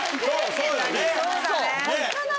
そうだね。